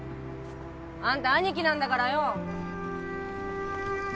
あんたアニキなんだからよ。